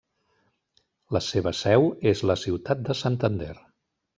La seva seu és la ciutat de Santander.